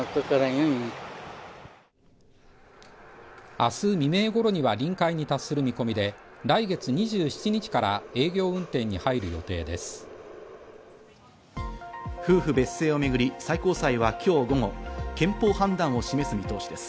明日未明ごろには臨界に達する見込みで、来月２７日から営業運転に入る予定です。